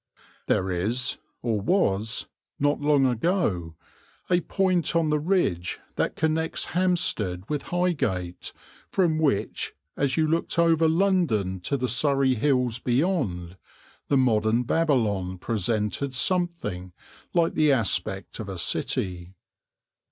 There is or was, not long ago, a point on the ridge that connects Hampstead with Highgate from which, as you looked over London to the Surrey Hills beyond, the modern Babylon presented something like the aspect of a city.